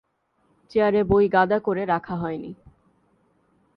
চেয়ারে বই গাদা করে রাখা হয় নি।